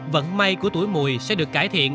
vẫn may của tuổi mùi sẽ được cải thiện